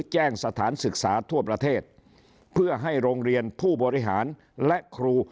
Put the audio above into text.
สถานศึกษาทั่วประเทศเพื่อให้โรงเรียนผู้บริหารและครู